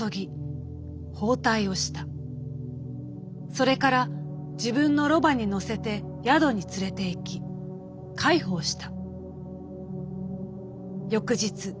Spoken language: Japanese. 「それから自分のろばに乗せて宿に連れていき介抱した」。